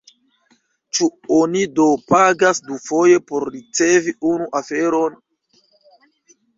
Ĉu oni do pagas dufoje por ricevi unu aferon?